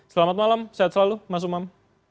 selamat malam sehat selalu mas umam